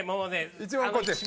一番こっちです。